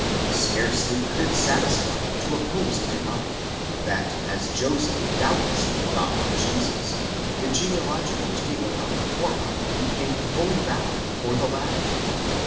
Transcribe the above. Scarcely could it satisfy to oppose the remark, that as Joseph doubtlessly adopted Jesus, the genealogical table of the former became fully valid for the latter.